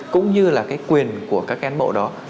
cũng như là quyền của các cán bộ đó